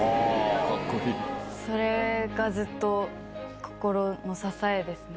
それがずっと心の支えですね。